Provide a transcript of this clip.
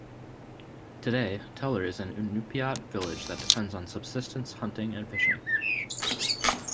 Today, Teller is an Inupiat village that depends on subsistence hunting and fishing.